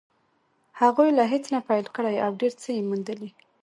هغوی له هېڅ نه پيل کړی او ډېر څه يې موندلي.